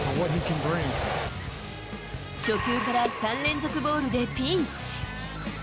初球から３連続ボールでピンチ。